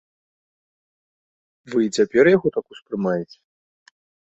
Вы і цяпер яго так успрымаеце?